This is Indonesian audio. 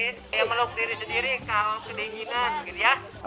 meluk diri sendiri kalau kedinginan